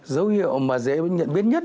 dấu hiệu mà dễ nhận biết nhất